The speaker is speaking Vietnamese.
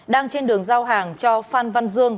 đang trên đường giao hàng cho phan văn dương